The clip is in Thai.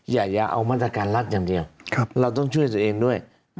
อย่าเอามาตรการรัฐอย่างเดียวเราต้องช่วยตัวเองด้วย